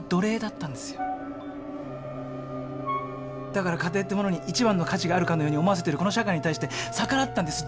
だから家庭ってものに一番の価値があるかのように思わせてるこの社会に対して逆らったんです。